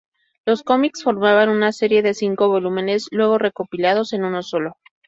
Los cómics formaban una serie de cinco volúmenes luego recopilados en uno solo.